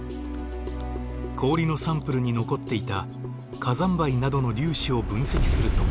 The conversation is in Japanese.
氷のサンプルに残っていた火山灰などの粒子を分析すると。